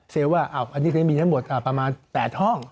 เซลล์ว่าอันนี้มีทั้งหมดประมาณ๘ห้อง